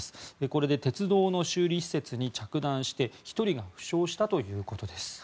これで鉄道の修理施設に着弾して１人が負傷したということです。